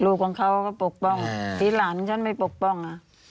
ของเขาก็ปกป้องที่หลานฉันไม่ปกป้อง